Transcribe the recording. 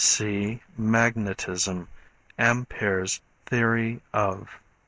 (See Magnetism, Ampére's Theory of.)